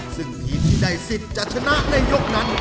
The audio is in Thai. ซึ่งทีมที่ได้สิทธิ์จะชนะในยกนั้น